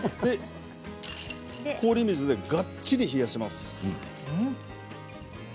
氷水でがっちり冷やします。